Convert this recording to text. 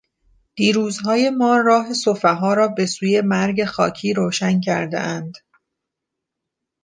دیروزهای ما راه سفها را بهسوی مرگ خاکی روشن کردهاند...